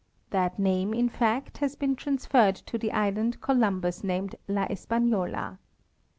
That name, in fact, has been transferred to the island Columbus named la Espafiola.